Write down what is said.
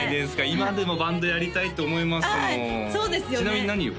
今でもバンドやりたいって思いますもんちなみに何を？